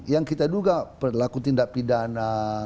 yang kita duga pelaku tindak pidana